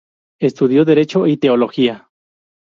Estudió Derecho y Teología.